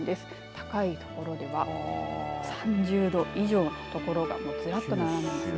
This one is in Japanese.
高い所では３０度以上の所が、ずらっと並んでますね。